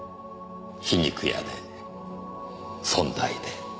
皮肉屋で尊大で。